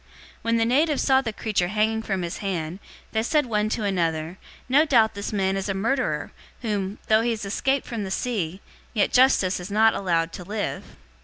028:004 When the natives saw the creature hanging from his hand, they said one to another, "No doubt this man is a murderer, whom, though he has escaped from the sea, yet Justice has not allowed to live."